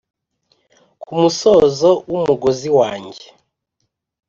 ku musozo wumugozi wanjye